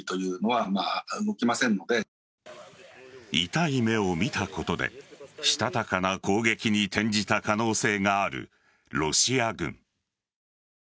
痛い目を見たことでしたたかな攻撃に転じた可能性があるロシア軍。